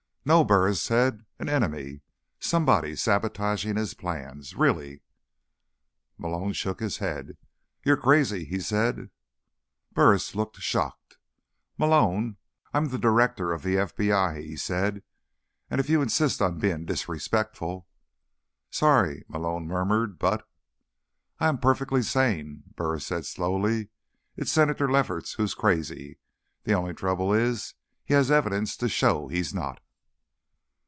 "No," Burris said. "An enemy. Somebody sabotaging his plans. Really." Malone shook his head. "You're crazy," he said. Burris looked shocked. "Malone, I'm the Director of the FBI," he said. "And if you insist on being disrespectful—" "Sorry," Malone murmured. "But—" "I am perfectly sane," Burris said slowly. "It's Senator Lefferts who's crazy. The only trouble is, he has evidence to show he's not."